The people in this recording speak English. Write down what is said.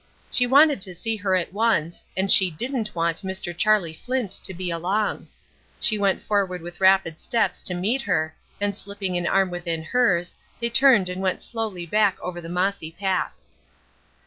She wanted to see her at once, and she didn't want Mr. Charlie Flint to be along. She went forward with rapid steps to meet her, and slipping an arm within hers, they turned and went slowly back over the mossy path.